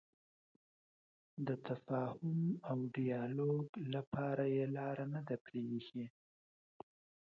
د تفاهم او ډیالوګ لپاره یې لاره نه ده پرېښې.